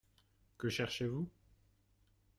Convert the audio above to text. Que cherchez-vous ?